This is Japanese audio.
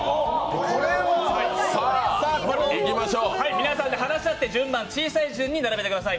皆さんで話し合って小さい順に並んでください。